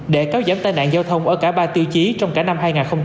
để kéo giảm tai nạn giao thông ở cả ba tiêu chí trong cả năm hai nghìn hai mươi